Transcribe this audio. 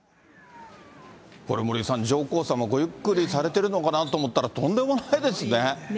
これ、森さん、上皇さま、ごゆっくりされてるのかなと思ったら、とんでもないですね。